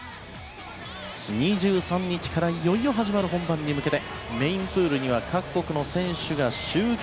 ２３日からいよいよ始まる本番に向けてメインプールには各国の選手が集結。